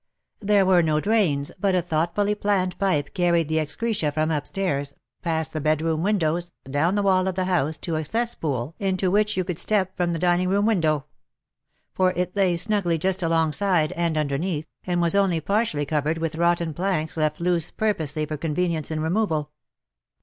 There were no drains, but a thoughtfully planned pipe carried the excreta from upstairs, past the bedroom windows, down the wall of the house to a cesspool into which you could step from the dining room window. For it lay snugly just alongside and underneath, and was only partially covered with rotten planks left loose purposely for convenience in removal.